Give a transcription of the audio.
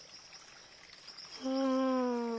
うん。